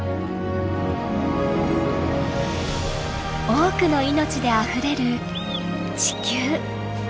多くの命であふれる地球。